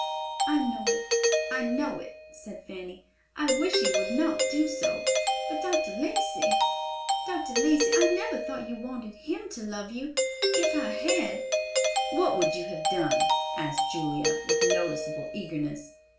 "I know it, I know it," said Fanny. "I wish he would not do so, but Dr. Lacey—Dr. Lacey—I never thought you wanted him to love you; if I had—" "What would you have done?" asked Julia, with noticeable eagerness.